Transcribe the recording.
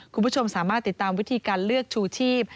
คุณผู้ชมสามารถติดตามวิธีการเลือกชูชีพ